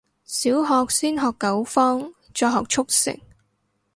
小學先學九方，再學速成